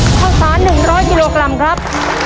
ข้าวสาร๑๐๐กิโลกรัมครับ